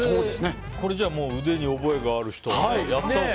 これ、腕に覚えがある人はやったほうが。